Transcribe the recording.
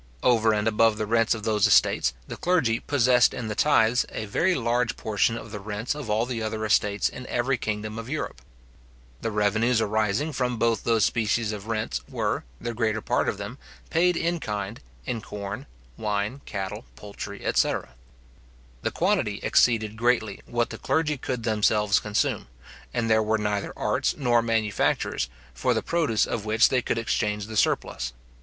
Over and above the rents of those estates, the clergy possessed in the tithes a very large portion of the rents of all the other estates in every kingdom of Europe. The revenues arising from both those species of rents were, the greater part of them, paid in kind, in corn, wine, cattle, poultry, etc. The quantity exceeded greatly what the clergy could themselves consume; and there were neither arts nor manufactures, for the produce of which they could exchange the surplus.